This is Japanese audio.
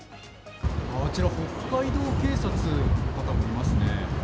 あちら北海道警察の方もいますね。